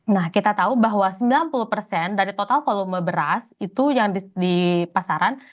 nah kita tahu bahwa sembilan puluh persen dari total volume beras itu yang di pasaran